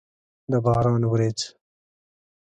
د باران ورېځ!